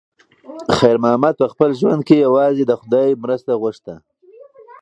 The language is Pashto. خیر محمد په خپل ژوند کې یوازې د خدای مرسته غوښته.